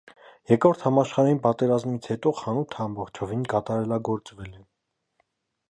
Երկրորդ համաշխարհային պատերազմից հետո խանութը ամբողջովին կատարելագործվել է։